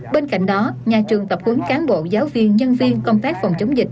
bên cạnh đó nhà trường tập huấn cán bộ giáo viên nhân viên công tác phòng chống dịch